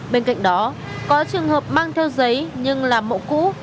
bên cạnh đó có trường hợp mang theo giấy nhưng làm mẫu cũ